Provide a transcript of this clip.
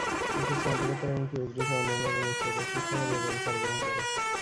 এটি স্নাতকোত্তর এবং পিএইচডি সহ অন্যান্য এবং উচ্চতর শিক্ষা কার্যক্রম সরবরাহ করে।